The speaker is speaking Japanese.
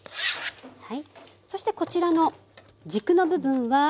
はい。